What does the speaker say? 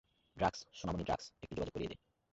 Drugs, সোনামণি, drugs - একটু যোগাযোগ করিয়ে দে!